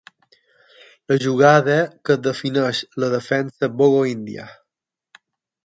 La jugada que defineix la defensa Bogo-Índia.